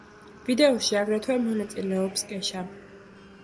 ვიდეოში აგრეთვე მონაწილეობს კეშა.